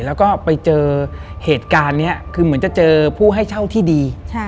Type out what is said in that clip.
แล้วก็ไปเจอเหตุการณ์นี้คือเหมือนจะเจอผู้ให้เช่าที่ดี